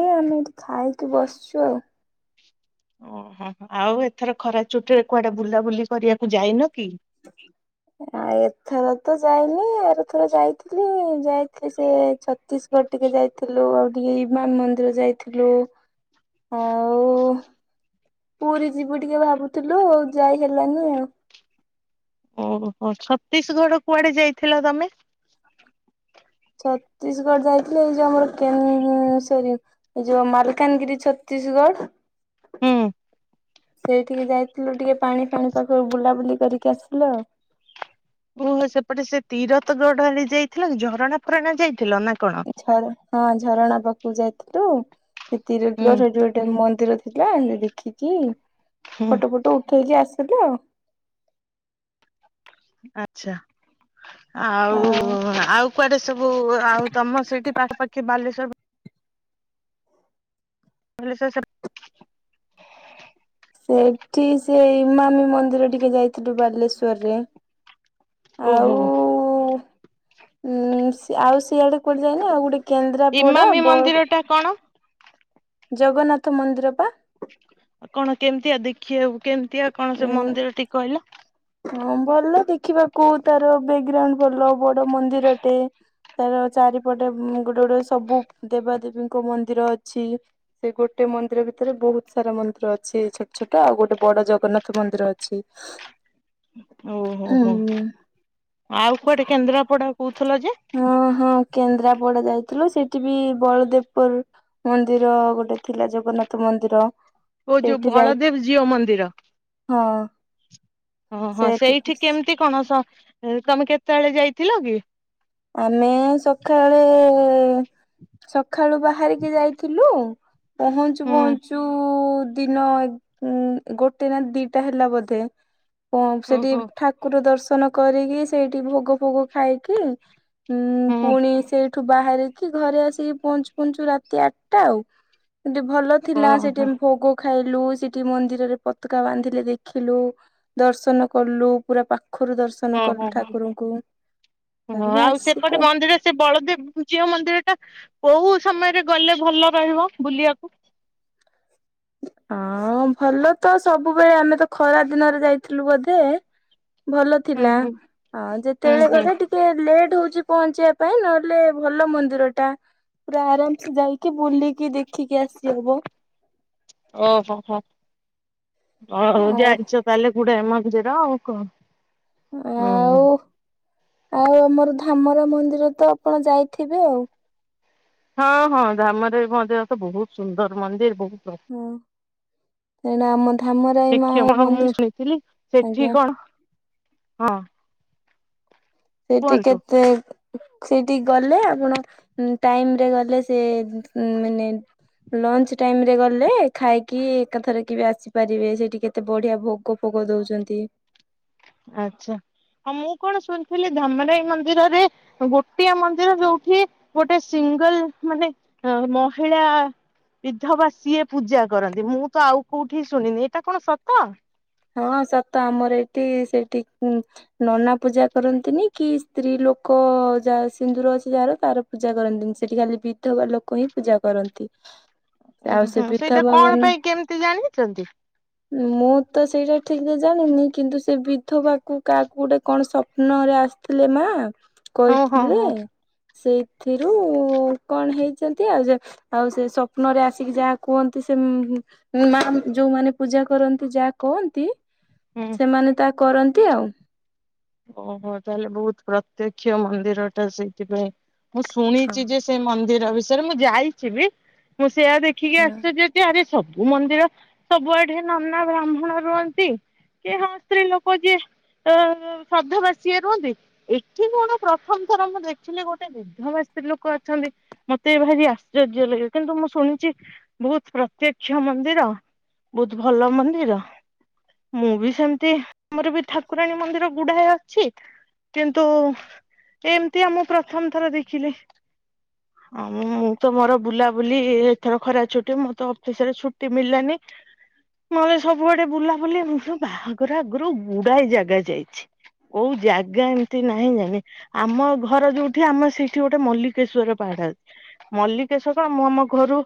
ଏଇ ଆମେ ଏଇଠି ଖାଇକି ବସିଚୁ ଆଉ। ଓହୋ। ଆଉ ଏଥର ଖରା ଚୁଟି ରେ କୁଆଡେ ବୁଲାବୁଲି କରିବାକୁ ଯାଇନ କି? ଆ ଏଥର ତ ଯାଇନି ଆରଥର ଯାଇଥିଲି ଯାଇଥିଲି ସେ ଛତିଶ ଗଡ଼ ଟିକେ ଯାଇଥିଲୁ ଆଉ ଟିକେ ଇମାମ ମନ୍ଦିର ଯାଇଥିଲୁ। ଆଉ ପୁରୀ ଯିବୁ ଟିକେ ଭାବୁଥିଲୁ ଆଉ ଯାଇ ହେଲାନି ଆଉ। ଓହୋ ଛତିଶଗଡ କୁଆଡେ ଯାଇଥିଲ ତମେ? ଛତିଶଗଡ ଯାଇଥିଲେ ଏଇ ଯୋଉ ଆମର କେ ସରି ଏଇ ଯୋଉ ମାଲକାନଗିରି ଛତିଶଗଡ। ହୁଁ ସେ ଟିକେ ଯାଇଥିଲୁ ଟିକେ ପାଣି ଫାଣି ପାଖରୁ ବୁଲାବୁଲି କରିକି ଆସିଲ ଓହୋ ସେପଟେ ସେ ତୀରଥ ଗଡଲି ଯାଇଥିଲା କି ଝରଣା ଫରଣା ଯାଇଥିଲ ନା କଣ? ହଁ ହଁ ଝରଣା ପାଖକୁ ଯାଇଥିଲୁ ଏତିରେ ସେଠି ହୁଁ ଗୋଟେ ଗୋଟେ ମନ୍ଦିର ଥିଲା ଦେଖିକି, ହୁଁ ଫଟୋ ଫଟ ଉଠେଇକି ଆସିଲୁ ଆଉ। ଆଚ୍ଛା। ଆଉ ଆଉ କୁଆଡେ ସବୁ ଆଉ ତମ ସେଇଠି ପାଖାପାଖି ବାଲେଶ୍ଵ ଭଲେ [unintelligible] ସେଠି ସେ ଇମାମ ମନ୍ଦିର ଟିକେ ଯାଇଥିଲୁ ବାଲେଶ୍ଵର ରେ ଓହୋ। ଉଁ ସେ ଉଁ ଆଉ ସିଆଡେ କୁଆଡେ ଯାଇନୁ ଆଉ ଗୋଟେ କେନ୍ଦ୍ରାପଡା ଇମାମି ବ ମନ୍ଦିର ଟା କଣ? ଜଗନ୍ନାଥ ମନ୍ଦିର ପା କଣ କେମିତିଆ ଦେଖିବାକୁ କେମିତିଆ, କଣ ସେ ମନ୍ଦିର ଟିକେ କହିଲ। ହଁ ଭଲ ଦେଖିବାକୁ ତାର ବ୍ୟାକଗ୍ରାଉଣ୍ଡ ଭଲ ବଡ ମନ୍ଦିର ଟେ ତାର ଚାରିପଟେ ଗୋଟେ ଗୋଟେ ସବୁ ଦେବାଦେବୀଙ୍କ ମନ୍ଦିର ଅଛି। ସେ ଗୋଟେ ମନ୍ଦିର ଭିତରେ ବହୁତ ସାରା ମନ୍ଦିର ଅଛି ଛୋଟ ଛୋଟ ଆଉ ଗୋଟେ ବଡ ଜଗନ୍ନାଥ ମନ୍ଦିର ଅଛି। ଓହୋହୋ, ହୁଁ ଆଉ କୁଆଡେ କେନ୍ଦ୍ରାପଡା କହୁଥିଲ ଯେ? ହଁ ହଁ କେନ୍ଦ୍ରାପଡା ଯାଇଥିଲୁ ସେଠି ବି ବଳଦେବପୁର ମନ୍ଦିର ଗୋଟେ ଥିଲା ଜଗନ୍ନାଥ ମନ୍ଦିର। ଓ ଯୋଉ ସେଇଠି ଯାଇ ବଳଦେବ ଜିଅ ମନ୍ଦିର। ହଁ ହଁ ହଁ ସେଠି ସେଇଠି କେମିତି କଣ ସ ତମେ କେତେବେଳେ ଯାଇଥିଲ କି? ଆମେ ସକାଳେ ସକାଳୁ ବାହାରିକି ଯାଇଥିଲୁ ‌। ପହଞ୍ଚୁ ହୁଁ। ପହଞ୍ଚୁ ଦିନ ଏ ଉଁ ଗୋଟେ ନା ଦିଟା ହେଲା ବୋଧେ। ହଁ ସେଠି ଓହୋ। ଠାକୁର ଦର୍ଶନ କରିକି, ସେଇଠି ଭୋଗ ଫୋଗ ଖାଇକି ଉଁ ହୁଁ ପୁଣି ସେ ଠୁ ବାହାରିକି ଘରେ ଆସିକି ପହଞ୍ଚୁ ପହଞ୍ଚୁ ରାତି ଆଟା ଆଉ, ସେଠୁ ଭଲ ଥିଲା, ଓହୋ ସେଠି ଭୋଗ ଖାଇଲୁ, ସେଠି ମନ୍ଦିରରେ ପତକା ବାନ୍ଧିଲେ ଦେଖିଲୁ। ଦର୍ଶନ କଲୁ, ପୁରା ପାଖରୁ ଦର୍ଶନ ହଁ କଲୁ ହଁ। ଠାକୁରଙ୍କୁ। ହଁ ତାପରେ ଆଉ ସେପଟେ ଆସିଲୁ। ମନ୍ଦିର ସେ ବଳଦେବ ଜିଅ ମନ୍ଦିର ଟା କୋଉ ସମୟରେ ଗଲେ ଭଲ ରହିବ ବୁଲିବାକୁ? ହଁ ଭଲ ତ ସବୁବେଳେ ଆମେ ତ ଖରା ଦିନରେ ଯାଇଥିଲୁ ବୋଧେ ଭଲ ହୁଁ ଥିଲା, ହୁଁ ଅ ହୁଁ ଯେତେବେଳେ ହୁଁ। ଗଲେ ଟି କେ ଲେଟ୍ ହଉଛି ପହଞ୍ଚିବା ପାଇଁ ନହେଲେ ଭଲ ମନ୍ଦିର ଟା। ପୁରା ଆରାମସେ ଯାଇକି ବୁଲିକି ଦେଖିକି ଆସିହବ। ଓହୋ ହୋ ହ ହଉ ଆଉ ଜାଣିଛ ତାହେଲେ ବୁ ପ୍ରେମ ଭୁଜେର ଆଉ କଣ? ହୁଁ ଆଉ ଆଉ ଆମର ଧାମରା ମନ୍ଦିର ତ ଆପଣ ଯାଇଥିବେ ଆଉ। ହଁ ହଁ ଧାମରେ ମଧ୍ୟରେ ବହୁତ ସୁନ୍ଦର ମନ୍ଦିର ବହୁତ ହଁ ଏଇନା ଆମ ଧାମରାଇ ମା ଶ୍ଷମା [unintelligible] ମୁଁ ମନ୍ଦିର ଶଣିଥିଲି ସେଠି ଆଜ୍ଞା କଣ ହଁ ସେଠି କୁହନ୍ତୁ। କେତେ ସେଠିକି ଗଲେ ଆପଣ ଟାଇମରେ ଗଲେ ସେ ମାନେ ଲଞ୍ଚ ଟାଇମ ରେ ଗଲେ, ଖାଇକି ଏକାଥରକେ ବି ଆସିପାରିବେ ସେଇଠି କେ ଏତେ ବଢିଆ ଭୋଗ ଫୋଗ ଦଉଛନ୍ତି। ଆଛା ହ ମୁଁ କଣ ଶୁଣିଥିଲି ଧାମରାଇ ମନ୍ଦିରରେ ଗୋଟିଏ ମନ୍ଦିର ଯୋଉଠି ଗୋଟେ ସିଙ୍ଗଲ ମାନେ ମହିଳା ବିଧବା ସିଏ ପୂଜା କରନ୍ତି ମୁଁ ତ ଆଉ କୋଉଠି ଶୁଣିନି ଏଇଟା କଣ ସତ? ହଁ ସତ ଆମର ଏଠି ସେଠି ନନା ପୂଜା କରନ୍ତିନି କି ସ୍ତ୍ରୀ ଲୋକ ଯା ସିନ୍ଦୁର ଅଛି ଯାହାର ତାର ପୂଜା କରନ୍ତିନ ସେଠି ଖାଲି ବିଧବା ଲୋକ ହିଁ ପୂଜା କରନ୍ତି। ଓ ଆଉ ସେ ହୁଁ ସେଇଟା ବିଧବା କଣ ମାନେ ପାଇଁ କେମିତି ଜାଣିଛନ୍ତି। ମୁଁ ତ ସେଇଟା ଠିକରେ ଜାଣିନି କିନ୍ତୁ ସେ ବିଧବାକୁ କାହାକୁ ଗୋଟେ କଣ ସ୍ୱପ୍ନ ରେ ଆସି ଥିଲେ ମା ହଁ ହଁ କହିଥିଲେ। ହଁ ସେଇଥିରୁ କଣ ହେଇଛନ୍ତି ଆଉ ଆଉ ସେ ସ୍ୱପ୍ନ ରେ ଆସିକି ଯାହା କୁହନ୍ତି ସେ ମା ଯୋଉମାନୋ ପୂଜା କରନ୍ତି ଯା କୁହନ୍ତି ହୁଁ ସେମାନେ ତା କରନ୍ତି ଆଉ। ଓହୋ ତାହେଲେ ବହୁତ ପ୍ରତ୍ୟକ୍ଷ ମନ୍ଦିର ଟା ସେଇଥିପାଇଁ ମୁଁ ଶୁଣିଛି ଯେ ସେ ମନ୍ଦିର ବିଷୟରେ ମୁଁ ଯାଇଚିବି ମୁଁ ସେଆ ଦେଖିକି ଆଚ୍ଛା ଆସିଛି ଯେ ଆରେ ସବୁ ମନ୍ଦିର ସବୁଆଡେ ନନା ବ୍ରାହ୍ମଣ ରୁହନ୍ତି କେ ହଁ ସ୍ତ୍ରୀ ଲ ଯେ ଅ ଶଧବା ସିଏ ରୁହନ୍ତି ଏଠି କଣ ପ୍ରଥମ ଥର ମୁଁ ଦେଖିଲି ଗୋଟେ ଦି ବିଧବା ସ୍ତ୍ରୀ ଲୋକ ଅଛନ୍ତି ମତେ ଭାରି ଆଶ୍ଚର୍ଯ୍ୟ ଲାଗେ କିନ୍ତୁ ମୁଁ ଶୁଣିଚି। ବହୁତ ପ୍ରତ୍ୟକ୍ଷ ମନ୍ଦିର ବହୁତ ଭଲ ମନ୍ଦିର। ମୁଁ ବି ସେମିତି ଆମର ବି ଠାକୁରାଣୀ ମନ୍ଦିର ଗୁଡ଼େଜାଗା ଅଛି କିନ୍ତୁ ଏମ ତିଆ ମୁଁ ପ୍ରଥମ ଥର ଦେଖିଲେ ଆ ମୁଁ ତ ମୋର ବୁଲା ବୁଲି ଏଥର ଖରା ଛୁଟି ମୋ ତ ଅଫିସ ରେ ଛୁଟି ମଲାନି। ନଲେ ସବୁଆଡେ ବୁଲାବୁଲି ବାହାଘର ଆଗରୁ ଗୁଡାଏ ଜାଗା ଯାଇଛି। କଉ ଜାଗା ଏମତି ନାହିଁ ଜାଇନି। ଆମ ଘର ଯୋଉଠି ଆମେ ସେଇଠି ଗୋଟେ ମଲ୍ଲିକେଶ୍ଵର ପାହାଡଅ ମଲ୍ଲିକେଶ୍ଵର ଆମ ଆମ ଘରୁ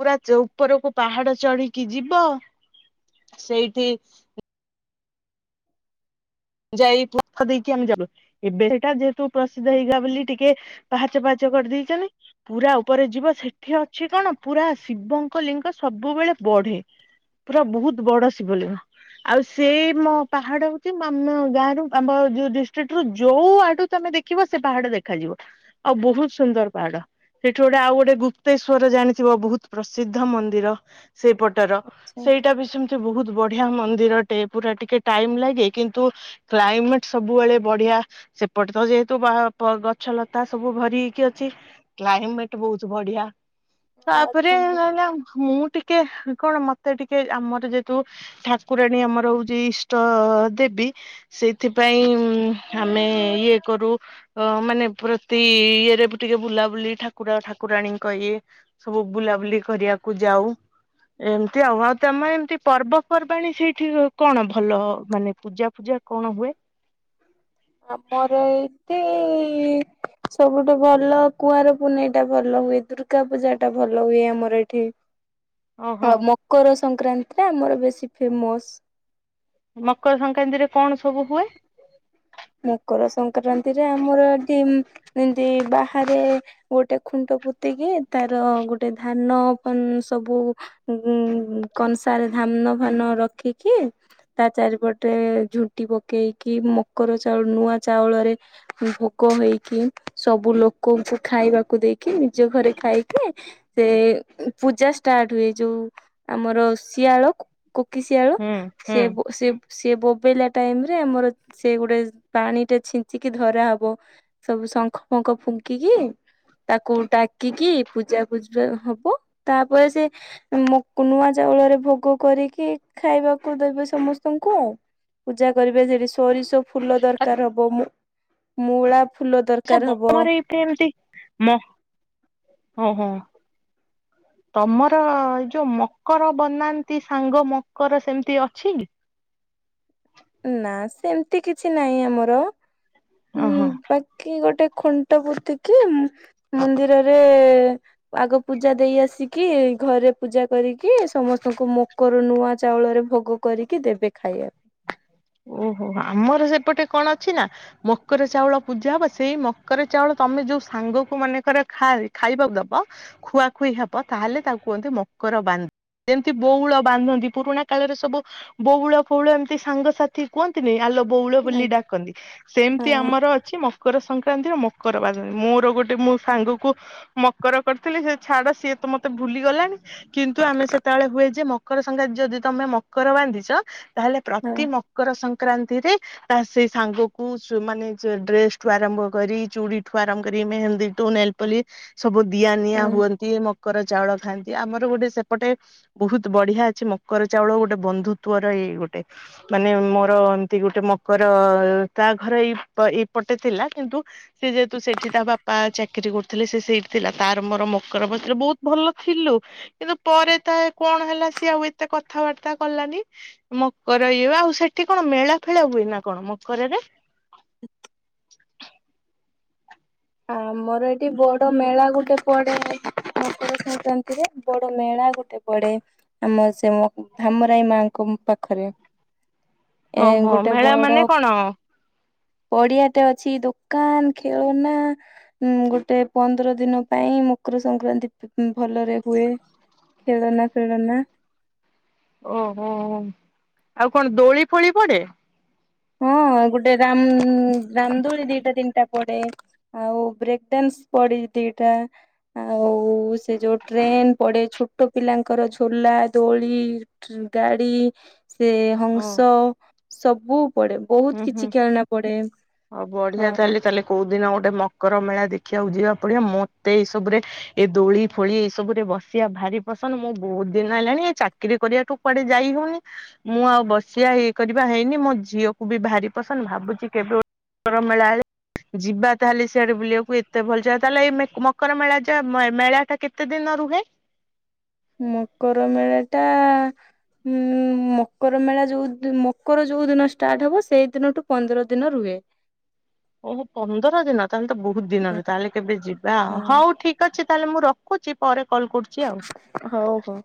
ପୁରା ଚଉପରକୁ ପାହାଡ ଚଢିକି ଯିବ ସେଇଠି ଯାଇ [unintelligible] ଦେଇକି ଆମେ ଯାବ। ଏବେ ସେଟା ଯେହେତୁ ପ୍ରସିଦ୍ଧ ହେଇଗଲା ବୋଲି ଟିକେ ପାହାଚ ପାହାଚ କରିଦେଇଛନ୍ତି। ପୁରା ଉପରେ ଯିବ ସେଠି ଅଛି କଣ ପୁରା ଶିବଙ୍କ ଲିଙ୍ଗ ସବୁବେଳେ ବଢେ। ପୁରା ବହୁତ ବଡ ଶିବଲିଙ୍ଗ ଆଉ ସେ ମୋ ପାହାଡ ହଉଛି ମାମ ଗାଁ ରୁ ଆମ ଯୋଉ ଡିଷ୍ଟ୍ରିକ୍ଟ ରୁ ଯୋଉ ଆଡୁ ତମେ ଦେଖିବ ସେ ପାହାଡ ଦେଖାଯିବ। ଆଉ ବହୁତ ସୁନ୍ଦର ପାହାଡ଼। ସେଠି ଗୋଟେ ଆଉ ଗୋଟେ ଗୁପ୍ତେଶ୍ଵର ଜାଣିଥିବ ବହୁତ ପ୍ରସିଦ୍ଧ ମନ୍ଦିର। ସେଇପଟର ସେଇଟା ବି ସେମିତି ବହୁତ ବଢିଆ ମନ୍ଦିରଟେ ପୁରା ଟିକେ ଟାଇମ ଲାଗେ କିନ୍ତୁ କ୍ଲାଇମେଟ ସବୁବେଳେ ବଢିଆ ସେପଟେ ତ ଯେହେତୁ ବାହା ଗଛ ଲତା ସବୁ ଭରି ହେଇକି ଅଛି। କ୍ଲାଇମେଟ ବହୁତ ବଢିଆ ତାପରେ ଆଚ୍ଛା ମୁଁ ସଇଲା ମୁଁ ଟି କେ କଣ ମତେ ଟିକେ ଆମର ଯେହେତୁ ଠାକୁରାଣୀ ଆମର ହଉଛି ଇଷ୍ଟ ଦେବି ସେଇଥିପାଇଁ ଆମେ ଇଏ କରୁ ଅ ମାନେ ପ୍ରତି ଇଏରେ ବି ଟିକେ ବୁଲାବୁଲି ଠାକୁର ଠାକୁରାଣୀଙ୍କ ଇଏ ସବୁ ବୁଲାବୁଲି କରିବାକୁ ଯାଉ ଏମତି ଆଉ ଆଉ ତମର ଏମିତି ପର୍ବପର୍ବାଣୀ ସେଇଠି କଣ ଭଲ ମାନେ ପୂଜା ଫୂଜା କଣ ହୁଏ? ଆମର ଏଇଠି ଇ ସବୁଠୁ ଭଲ କୁଆଁର ପୁନେଇ ଟା ଭଲ ହୁଏ, ଦୁର୍ଗା ପୂଜା ଟା ଭଲ ହୁଏ, ଆମର ଏଠି। [inaudible] ଓହୋ ଆଉ ମକର ସଂକ୍ରାନ୍ତି ଟା ଆମର ବେଶୀ ଫେମସ। ମକର ସଂକ୍ରାନ୍ତିରେ କଣ ସବୁ ହୁଏ? ମକର ସଂକ୍ରାନ୍ତିରେ ଆମର ଏଠି ଏମିତି ବାହାରେ ଗୋଟେ ଖୁଣ୍ଟ ପୋତିକି ତାର ଗୋଟେ ଧାନ ପା ସବୁ ଉ କଂସାରେ ଧାନ ଫାନ ରଖିକି ତା ଚାରିପଟେ ଝୁଣ୍ଟି ପକେଇକି ମକର ଚାଉ ନୂଆ ଚାଉଳରେ ଭୋଗ ହେଇକି ସବୁ ଲୋକଙ୍କୁ ଖାଇବାକୁ ଦେଇକି ନିଜ ଘରେ ଖାଇକି ସେ ପୂଜା ଷ୍ଟାର୍ଟ ହୁଏ, ଯୋଉ ଆମର ଶିଆଳ କୋକିଶିଆଳ ହୁଁ ହୁଁ ସେ ସେ ସେ ବୋବେଇଲା ଟାଇମ୍ ରେ ଆମର ସେ ଗୋଟେ ପାଣି ଟେ ଛିଞ୍ଚିକି ଧରାହବ ସବୁ ଶଙ୍ଖ ଫଙ୍ଖ ଫୁଙ୍କିକି ତାକୁ ଡାକିକି ପୂଜା ଫୂଜି ଟେ ହବ ତାପରେ ସେ ମୁଁ ନୂଆ ଚାଉଳରେ ଭୋଗ କରିକି ଖାଇବାକୁ ଦେବେ ସମସ୍ତଙ୍କୁ ଆଉ। ପୂଜା କରିବେ ସେଠି ସୋରିଷ ଫୁଲ ଦରକାର ହବ, ମୂ ମୂଳା ଫୁଲ ଆଚ୍ଛା। ଦରକାର ହବ [unintelligible] ଏତେ ଏମିତି ମ ଓହୋ ତମର ଏ ଯୋଉ ମକର ବନାନ୍ତି ସାଙ୍ଗ ମକର ସେମିତି ଅଛି? ନା ସେମତି କିଛି ନାହିଁ ଆମର, ଉନ୍ ଓହୋ। ବାକି ଗୋଟେ ଖୁଣ୍ଟ ପୁତିକି ମନ୍ଦିରରେ ଆଗ ପୂଜା ଦେଇ ଆସିକି, ଘରେ ପୂଜା କରିକି ସମସ୍ତଙ୍କୁ ମୁ କରର ନୂଆ ଚାଉଳରେ ଭୋଗ କରିକି ଦେବେ ଖାଇବାକୁ। ଓହୋ, ଆମର ସେପଟେ କଣ ଅଛି ନା ମକର ଚାଉଳ ପୂଜା ହବ ସେଇ ମକର ଚାଉଳ ତମେ ଯୋଉ ସାଙ୍ଗକୁ ମନେକର ଖାଇ ଖାଇବା ଦବ ଖୁଆଖୁଇ ହବ ତାହେଲେ ତାକୁ କୁହନ୍ତି ମକର ବାନ୍ଧ ଯେମିତି ବଉଳ ବାନ୍ଧନ୍ତି ପୁରୁଣା କାଳରେ ସବୁ ବଉଳ ଫଉଳ ଏମ ସାଙ୍ଗସାଥି କୁହନ୍ତିନି ଆଲୋ ବଉଳ ପାଇଁ ବୋଲି ଡାକନ୍ତି। ସେମିତି ଆଜ୍ଞା ଆମର ଅଛି ମକର ସଂକ୍ରାନ୍ତିର ମକର ବାନ୍ଧବୀ ମୋର ଗୋଟେ ମୋ ସାଙ୍ଗକୁ ମକର କରିଥିଲି ସେ ଛାଡ ସିଏ ତ ମତେ ଭୁଲିଗଲାଣି କିନ୍ତୁ ଆମେ ସେତେବେଳେ ହୁଏ ଯେ ମକର ସଂକ୍ରାନ୍ତି ଯଦି ତମେ ମକର ବାନ୍ଧିଛ ତାହେଲେ ହଁ ପ୍ରତି ମ ମକର ସଂକ୍ରାନ୍ତିରେ ତା ସେଇ ସାଙ୍ଗକୁ ସୁ ମାନେ ସେ ଡ୍ରେସ୍ ଠୁ ଆରମ୍ଭ କରି, ଚୁଡି ଠୁ ଆରମ୍ଭ କରି, ମେହେନ୍ଦୀ ଠୁ ନେଲପଲି ସବୁ ଦିଆ ନିିଆ ହଁ। ହୁଅନ୍ତି ମକର ଚାଉଳ ଖାଆନ୍ତି ଆମର ଗୋଟେ ସେପଟେ ବହୁତ ବଢ଼ିଆ ଅଛି ମକର ଚାଉଳ ଗୋଟେ ବନ୍ଧୁତ୍ଵର ଏଇ ଗୋଟେ। ମାନେ ମୋର ଏମିତି ଗୋଟେ ମକର ତା ଘର ଏଇ ପ ଏଇପଟେ ଥିଲା କିନ୍ତୁ ସେ ଯେହେତୁ ସେଇଠି ତା ବାପା ଚାକିରି କରୁଥିଲେ ସେ ସେଇଠି ଥିଲା ତାର ମୋର ମକର ବସିଥିଲୁ ବହୁତ୍ ଭଲ ଥିଲୁ କିନ୍ତୁ ପରେ ତାର କଣ ହେଲା ସିଏ ଆଉ ଏତେ କଥାବାର୍ତ୍ତା କଲାନି ମ କର ଏ ଆଉ ସେଠି କଣ ମେଳା ଫେଳା ହୁଏ ନା କଣ ମକରରେ? [unintelligible] ଆମର ଏଠି ବଡ ମେଳା ଗୋଟେ ପଡ଼େ। ମକର ସଂକ୍ରାନ୍ତିରେ ବଡ ମେଳା ଗୋଟେ ପଡ଼େ। ଆମର ସେ ମ ଧାମରାଇ ମାଙ୍କ ପାଖରେ। ଏ ଓହୋ ଗୋଟେ ମେଳା ବଡ଼ ମାନେ କଣ? ପଡିଆଟେ ଅଛି ଦୋକାନ ଖେଳନା ଉଁ ଗୋଟେ ପନ୍ଦର ଦିନ ପାଇଁ ମକର ସଂକ୍ରାନ୍ତି ଭଲରେ ହୁଏ। ଖେଳନା ଫେଳନା। ଓହୋ ଆଉ କଣ ଦୋଳି ଫୋଳି ପଡେ। ହଁ ଗୋଟେ ରାମ ରାମଦୋଳି ଦିଟା ତିନିଟା ପଡେ। ଆଉ ବ୍ରେକଡ୍ୟାନ୍ସ ପଡି ଦିଟା। ଆଉ ସେ ଯୋଉ ଟ୍ରେନ ପଡେ ଛୋଟ ପିଲାଙ୍କର ଝୋଲା ଦୋଳି। ଟ୍ରି ଗାଡି ସେ ଓ ହଂସ ସବୁ ପଡେ। ହୁଁ ବହୁତ ହୁଁ। କିଛି ଖେଳଣା ପଡେ ଆଉ ବଢିଆ ହଁ ହଁ। ତାହେଲେ ତାହେଲେ କୋଉ ଦିନ ଗୋଟେ ମକର ମେଳା ଦେଖିବାକୁ ଯିବାକୁ ପଡିବ ମତେ ଏଇ ସବୁରେ ଏ ଦୋଳି ଫୋଳି ଏଇ ସବୁରେ ବସିବା ଭାରି ପସନ୍ଦ ମୁଁ ବହୁତ ଦିନ ହେଲାଣି ଏ ଚାକିରି କରିବାଠୁ କୁଆଡେ ଯାଇ ହଉନି ମୁଁ ଆଉ ବସିବା ଇଏ କରିବା ହେଇନି ମୋ ଝିଅ କୁ ବି ଭାରି ପସନ୍ଦ ଭାବୁଛି କେବେ [unintelligible] ମେଳା ହେଲେ ଯିବା ତାହେଲେ ସିଆଡେ ବୁଲିବାକୁ ଏତେ ଭଲ ଯାଏ ତାହେଲେ ଏଇ ମେକ୍ ମକର ମେଳା ଯା ମେଳା ଟା କେତେ ଦିନ ରୁହେ? ମକର ମେଳା ଟା ଉଁ ମକର ମେଳା ଯୋଉ ଦି ମକର ଯୋଉ ଦିନ ଷ୍ଟାର୍ଟ ହବ ସେଇ ଦିନଠୁ ପନ୍ଦର ଦିନ ରୁହେ। [unintelligible] ଓହୋ ପନ୍ଦର ଦିନ ତାହେଲେ ତ ବହୁତ ହୁଁ ଦିନରୁ ତାହେଲେ କେବେ ଯିବା ହଉ ହୁଁ ଠିକ୍ ଅଛି ତାହେଲେ ମୁଁ ରଖ ରଖୁଛି ପରେ କଲ୍ କରୁଛି ଆଉ। ହଉ ହଉ